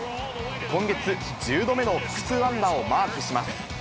今月１０度目の複数安打をマークします。